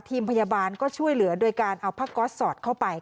ทีมพยาบาลก็ช่วยเหลือโดยการเอาผ้าก๊อตสอดเข้าไป